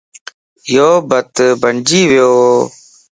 يو بت بنجي ويووَ